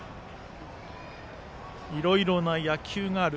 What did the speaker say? いろいろな野球がある。